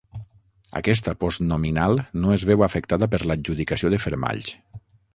Aquesta postnominal no es veu afectada per l'adjudicació de fermalls.